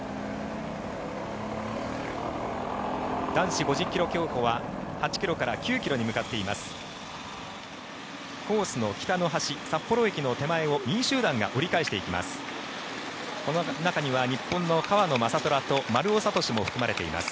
男子５０ｋｍ競歩は８ｋｍから９ｋｍに向かっています。